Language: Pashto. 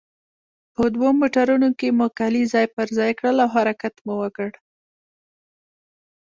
په دوو موټرونو کې مو کالي ځای پر ځای کړل او حرکت مو وکړ.